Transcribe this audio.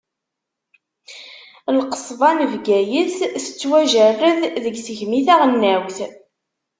Lqesba n Bgayet tettwajerred deg tegmi taɣelnawt.